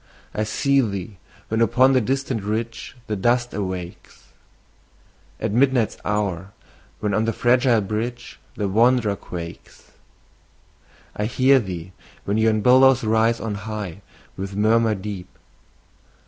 I see thee, when upon the distant ridge The dust awakes; At midnight's hour, when on the fragile bridge The wanderer quakes. I hear thee, when yon billows rise on high, With murmur deep.